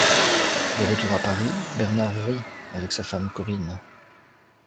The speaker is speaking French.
De retour à Paris, Bernard rompt avec sa femme Corinne.